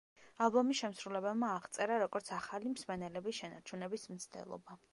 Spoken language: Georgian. ალბომი შემსრულებელმა აღწერა, როგორც ახალი მსმენელების შენარჩუნების მცდელობა.